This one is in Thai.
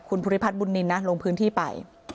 คุณภูริพัฒนบุญนินนะลงพื้นที่ไป